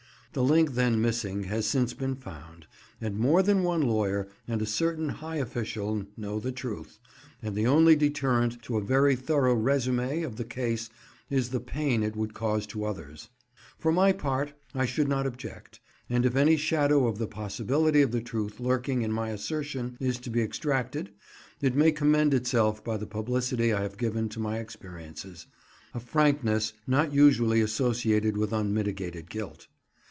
The link then missing has since been found; and more than one lawyer, and a certain high official, know the truth; and the only deterrent to a very thorough résumé of the case is the pain it would cause to others. For my own part, I should not object, and if any shadow of the "possibility" of the truth lurking in my assertion is to be extracted, it may commend itself by the publicity I have given to my experiences—a frankness not usually associated with unmitigated guilt.